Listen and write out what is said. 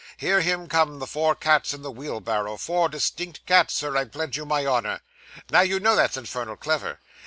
'Hear him come the four cats in the wheel barrow four distinct cats, sir, I pledge you my honour. Now you know that's infernal clever!